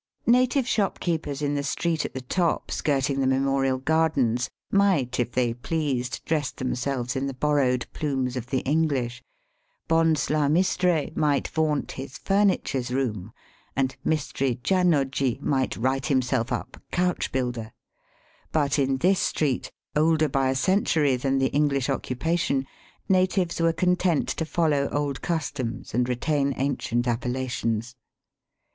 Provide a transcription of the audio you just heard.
Native shopkeepers in the street at the top skirting the Memorial Gardens might, if they pleased, dress themselves in the borrowed plumes of the English. ^^Bhonsla Mistre" might vaunt his "furnitures room'* and " Mistry Janoji " might write himself up Digitized by VjOOQIC THE CAPITAL OF THE GREAT MOGUL. 265 ^^couch builder." But in this street, older hy a century than the English occupation, natives were content to foUow old customs and retain ancient appellations.